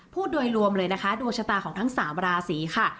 พูดโดยรวมเลยนะคะดวงชะตาของทั้ง๓ราศีค่ะ